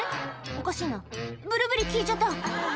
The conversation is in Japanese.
おかしいなブルーベリー消えちゃった」